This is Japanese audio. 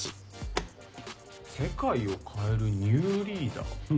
「世界を変えるニューリーダー」。